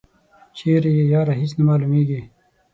چیری یی یاره هیڅ نه معلومیږي.